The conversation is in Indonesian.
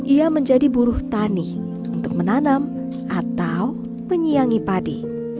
ia menjadi buruh tani untuk menanam atau menyiangi padi